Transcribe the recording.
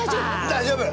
大丈夫！